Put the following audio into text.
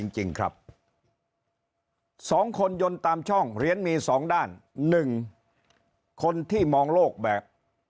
จริงครับ๒คนยนต์ตามช่องเหรียญมี๒ด้าน๑คนที่มองโลกแบบ